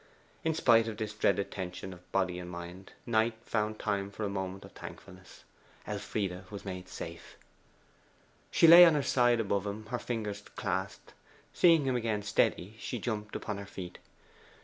In spite of this dreadful tension of body and mind, Knight found time for a moment of thankfulness. Elfride was safe. She lay on her side above him her fingers clasped. Seeing him again steady, she jumped upon her feet.